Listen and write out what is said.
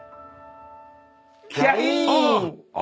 キャイン！